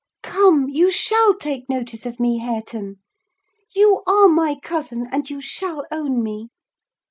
Come, you shall take notice of me, Hareton: you are my cousin, and you shall own me."